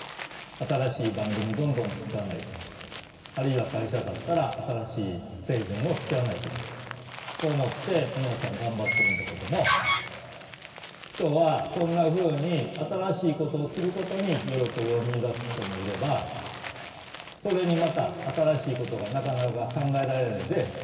新しい番組どんどん作らないととかあるいは会社だったら新しい製品を作らないととかこう思って皆さん頑張ってるんだけれども人はそんなふうに新しいことをすることに喜びを見いだす人もいればそれにまた新しいことがなかなか考えられないで苦しむ人もいるわけ。